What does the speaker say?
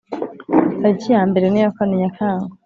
tariki yambere n iya kane Nyakanga